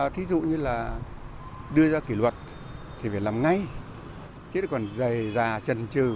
thí dụ như là đưa ra kỷ luật thì phải làm ngay chứ còn dày dà trần trừ